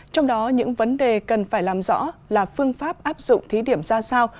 trong đó những vấn đề cần phải làm rõ là phương pháp áp dụng thí điểm ra sao